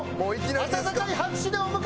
温かい拍手でお迎えください！